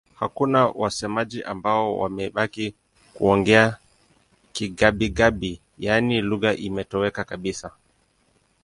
Hakuna wasemaji ambao wamebaki kuongea Kigabi-Gabi, yaani lugha imetoweka kabisa.